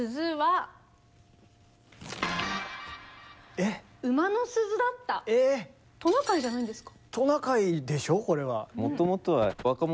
えっ⁉トナカイじゃないんですか？